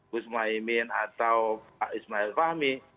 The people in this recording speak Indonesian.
gus muhaymin atau pak ismail fahmi